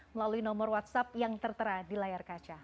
melalui nomor whatsapp yang tertera di layar kaca